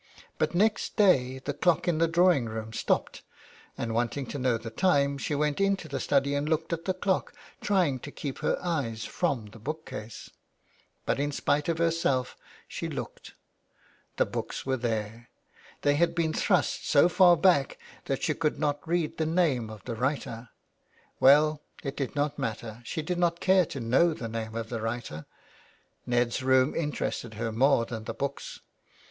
But next day the clock in the drawingroom stopped and, wanting to know the time, she went into the study and looked at the clock, trying to keep her eyes from the book case. But in spite of herself she 356 THE WILD GOOSE. looked. The books were there : they had been thrust so far back that she could not read the name of the writer. Well, it did not matter, she did not care to know the name of the writer — Ned's room interested her more than the books.